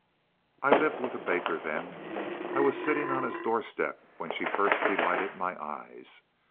I lived with a baker then. I was sitting on his doorstep when she first delighted my eyes.